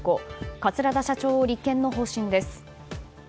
桂田社長を立件の方針です。